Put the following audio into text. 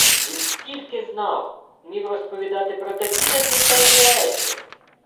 Він стільки знав! Умів розповідати про такі надзвичайні речі!